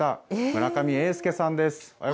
村上栄輔さんです。